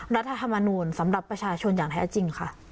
รัฐธรรมนูลสำหรับประชาชนอย่างแท้จริงค่ะ